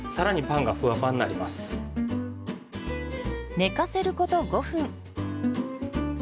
寝かせること５分。